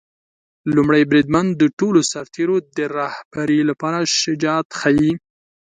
لومړی بریدمن د ټولو سرتیرو د رهبری لپاره شجاعت ښيي.